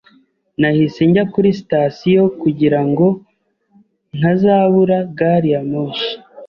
Nahise njya kuri sitasiyo kugira ngo ntazabura gari ya moshi.